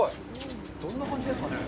どんな感じですかね。